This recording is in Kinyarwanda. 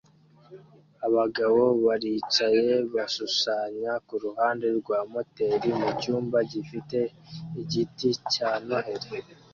abagabo baricaye bashushanya kuruhande rwa moteri mucyumba gifite igiti cya Noheri